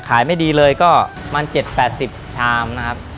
ไม่ดีเลยก็มัน๗๘๐ชามนะครับ